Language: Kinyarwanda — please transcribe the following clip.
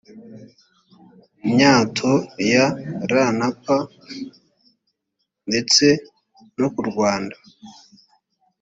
myato ya rnp ndetse no ku rwanda